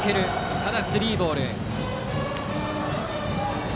ただ、スリーボール。